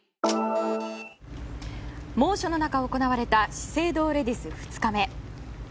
猛暑の中行われた資生堂レディス２日目。